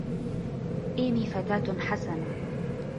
إيمي فتاة حسنة.